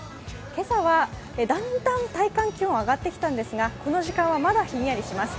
今朝はだんだん体感気温上がってきたんですが、この時間はまだひんやりします。